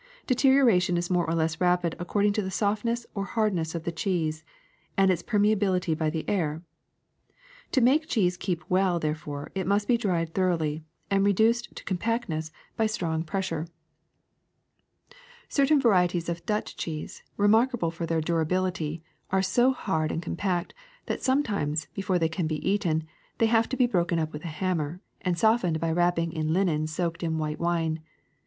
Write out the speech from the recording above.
Deterioration is more or less rapid according to the softness or hard ness of the cheese and its permeability by the air. To make cheese keep well, therefore, it must be dried thoroughly and reduced to compactness by strong 1 See "Our Humble Helpers." 217 218 THE SECRET OF EVERYDAY THINGS pressure. Certain varieties of Dutch cheese, re markable for their durability, are so hard and com pact that sometimes, before they can be eaten, they have to be broken up with a hammer and softened by wrapping in linen soaked in white wine.